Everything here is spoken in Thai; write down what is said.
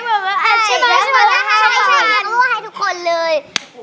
พี่เซ็กต์บอกว่าใช่ไหมใช่ไหมค่อยค่อยใช่ช่วยไปนี่มันก็ให้ทุกคนเลย